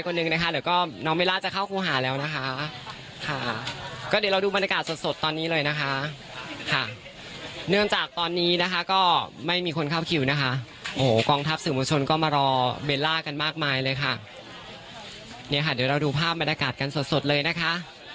ก็มารอเบลล่ากันมากมายเลยค่ะเนี่ยค่ะเดี๋ยวเราดูภาพบรรยากาศกันสดสดเลยนะคะ